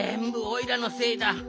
おいらのせいだ。